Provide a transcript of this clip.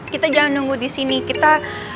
kita jangan nunggu di sini kita